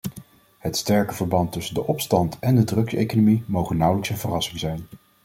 Het sterke verband tussen de opstand en de drugseconomie moge nauwelijks een verrassing zijn.